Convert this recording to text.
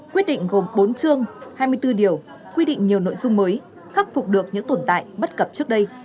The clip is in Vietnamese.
quyết định gồm bốn chương hai mươi bốn điều quy định nhiều nội dung mới khắc phục được những tồn tại bất cập trước đây